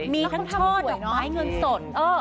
มีทั้งช่อดอกไม้เงินสด